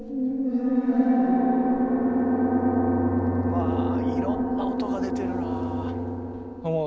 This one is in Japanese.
わあいろんな音が出てるな。